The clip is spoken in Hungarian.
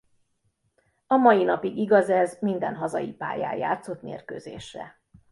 A mai napig igaz ez minden hazai pályán játszott mérkőzésre.